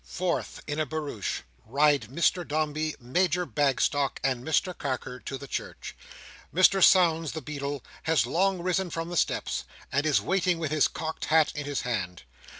Forth, in a barouche, ride Mr Dombey, Major Bagstock, and Mr Carker, to the church. Mr Sownds the Beadle has long risen from the steps, and is in waiting with his cocked hat in his hand.